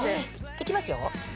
いきますよ？